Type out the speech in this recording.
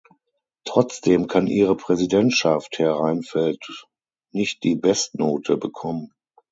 Trotzdem kann Ihre Präsidentschaft, Herr Reinfeldt, nicht die Bestnote bekommen.